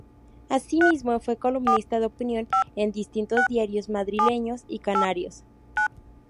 Asimismo fue columnista de opinión en distintos diarios madrileños y canarios.